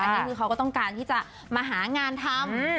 อันนี้คือเขาก็ต้องการที่จะมาหางานทำ